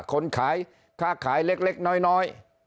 คนขายค่าขายเล็กน้อย